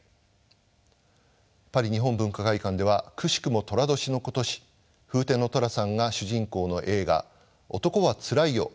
パリ日本文化会館ではくしくも寅年の今年フーテンの寅さんが主人公の映画「男はつらいよ」